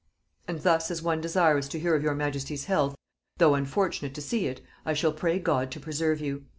"And thus as one desirous to hear of your majesty's health, though unfortunate to see it, I shall pray God to preserve you.